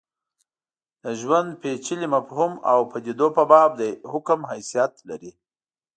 د ژوند پېچلي مفهوم او پدیدو په باب د حکم حیثیت لري.